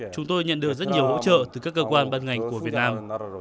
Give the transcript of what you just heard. chúng tôi nhận được rất nhiều hỗ trợ từ các cơ quan ban ngành của việt nam